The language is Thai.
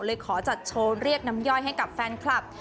ขอจัดโชว์เรียกน้ำย่อยให้กับแฟนคลับ